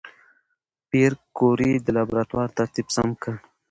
پېیر کوري د لابراتوار ترتیب سم کړ.